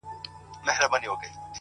ښه ملګرتیا ژوند ښکلی کوي!